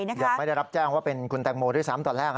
ยังไม่ได้รับแจ้งว่าเป็นคุณตังโมที่๓ตอนแรก